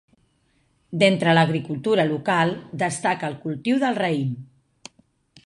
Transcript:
D'entre l'agricultura local destaca el cultiu del raïm.